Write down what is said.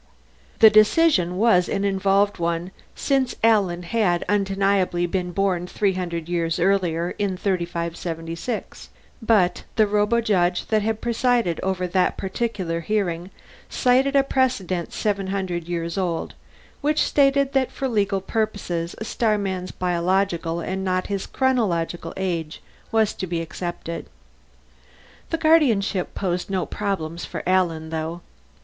The decision was an involved one, since Alan had undeniably been born three hundred years earlier, in 3576 but the robojudge that presided over that particular hearing cited a precedent seven hundred years old which stated that for legal purposes a starman's biological and not his chronological age was to be accepted. The guardianship posed no problems for Alan, though.